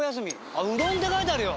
「うどん」って書いてあるよ。